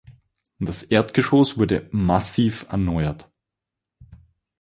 Das Erdgeschoss wurde massiv erneuert.